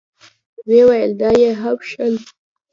ويې ويل: دا يې هم شل.